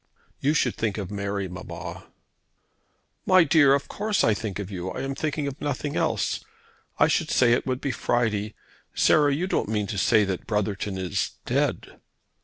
"You should think of Mary, mamma." "My dear, of course I think of you. I am thinking of nothing else. I should say it would be Friday. Sarah, you don't mean to say that Brotherton is dead?"